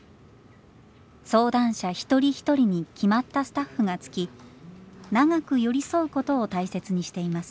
相談者一人一人に決まったスタッフがつき長く寄り添うことを大切にしています。